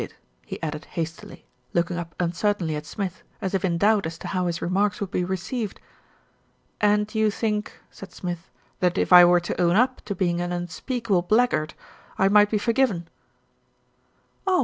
did," he added hastily, looking up uncertainly at Smith, as if in doubt as to how his remarks would be received. "And you think," said Smith, "that if I were to own up to being an unspeakable blackguard, I might be forgiven." "Oh!